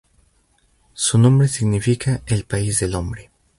Su nombre significa "el país del hombre".